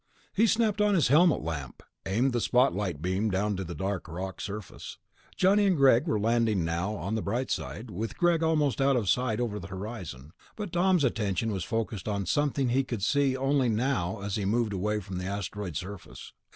He snapped on his helmet lamp, aimed the spotlight beam down to the dark rock surface. Greg and Johnny were landing now on the bright side, with Greg almost out of sight over the "horizon" ... but Tom's attention was focussed on something he could see only now as he moved away from the asteroid surface.